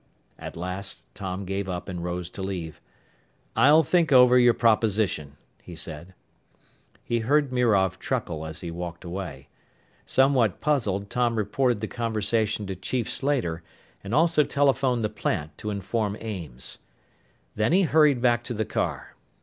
At last Tom gave up and rose to leave. "I'll think over your proposition," he said. He heard Mirov chuckle as he walked away. Somewhat puzzled, Tom reported the conversation to Chief Slater and also telephoned the plant to inform Ames. Then he hurried back to the car.